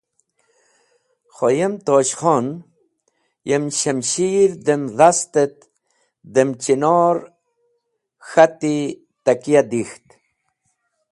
Kho, yem Tosh Khon, yem shamshir dem dhast et dem chinor k̃hati takya dek̃ht.